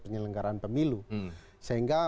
penyelenggaran pemilu sehingga